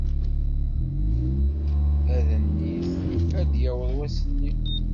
Adennit ad d-yaweḍ wass-nni.